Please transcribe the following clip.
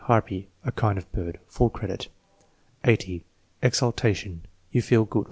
Harpy. "A kind of bird." (Full credit.) 80. Exaltation. "You feel good."